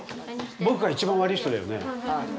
僕が一番悪い人だよね。